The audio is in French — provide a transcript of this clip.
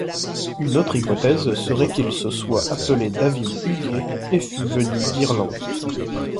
Une autre hypothèse serait qu'il se soit appelé David Huguet et fût venu d'Irlande.